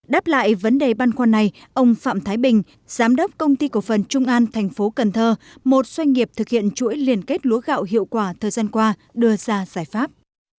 đáp lại vấn đề băn khoăn này ông phạm thái bình giám đốc công ty cổ phần trung an thành phố cần thơ một doanh nghiệp thực hiện chuỗi liên kết lúa gạo hiệu quả thời gian qua đưa ra giải pháp